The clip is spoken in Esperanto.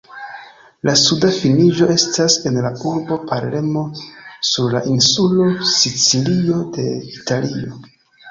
La suda finiĝo estas en la urbo Palermo sur la insulo Sicilio de Italio.